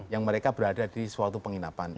yang mereka berada di suatu penginapan